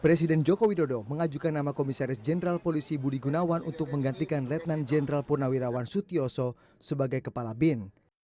presiden joko widodo mengajukan nama komisaris jenderal polisi budi gunawan untuk menggantikan letnan jenderal purnawirawan sutioso sebagai kepala bin